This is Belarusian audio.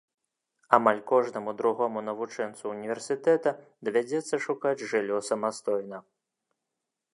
Амаль кожнаму другому навучэнцу ўніверсітэта давядзецца шукаць жыллё самастойна.